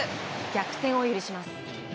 逆転を許します。